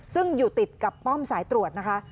ซึ่งอยู่ติดกับป้อมสายตรวจนะคะ